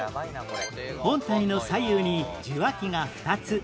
本体の左右に受話器が２つ